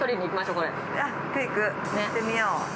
行ってみよう。